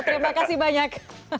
terima kasih banyak